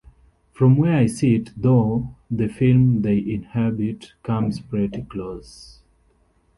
From where I sit, though, the film they inhabit comes pretty close.